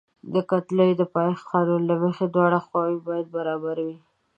د کتلې د پایښت قانون له مخې دواړه خواوې باید برابرې وي.